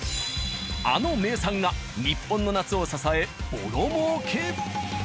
あの名産が日本の夏を支えボロ儲け！